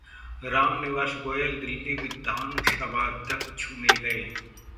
राम निवास गोयल दिल्ली विधानसभाध्यक्ष चुने गए